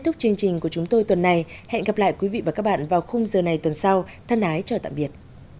thúc chương trình của chúng tôi tuần này hẹn gặp lại quý vị và các bạn vào khung giờ này tuần sau thân ái chào tạm biệt